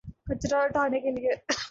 کچرا اٹھانے کے لیے۔